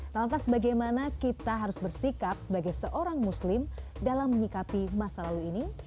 lantas bagaimana kita harus bersikap sebagai seorang muslim dalam menyikapi masa lalu ini